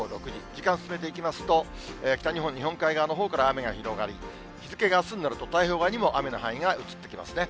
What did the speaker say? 時間進めていきますと、北日本、日本海側のほうから雨が広がり、日付があすになると、太平洋側にも雨の範囲が移ってきますね。